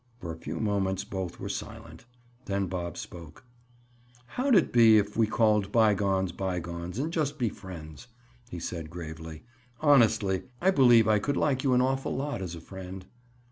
For a few moments both were silent. Then Bob spoke: "How'd it be, if we called bygones, bygones, and just be friends?" he said gravely. "Honestly, I believe I could like you an awful lot as a friend."